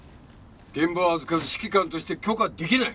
現場を預かる指揮官として許可出来ない。